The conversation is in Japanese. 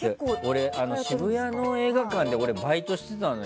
渋谷の映画館で俺、バイトしてたのよ